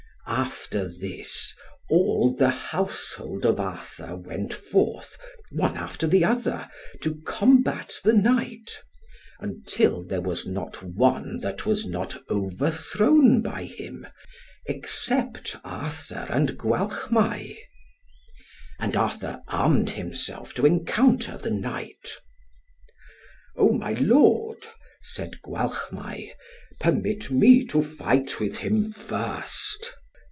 After this, all the household of Arthur went forth, one after the other, to combat the Knight, until there was not one that was not overthrown by him, except Arthur and Gwalchmai. And Arthur armed himself to encounter the Knight. "Oh, my lord," said Gwalchmai, "permit me to fight with him first."